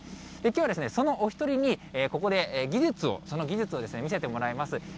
きょうはそのお１人に、ここで技術を、その技術を見せてもらいます。